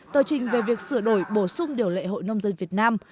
tờ trình về việc sửa đổi bổ sung điều lệ hội nông dân việt nam